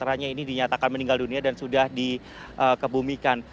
dan tiga belas diantaranya ini dinyatakan meninggal dunia dan sudah dikebumikan